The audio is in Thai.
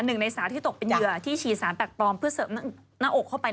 หนึ่งในสาวที่ตกเป็นเหยื่อที่ฉีดสารแปลกปลอมเพื่อเสริมหน้าอกเข้าไป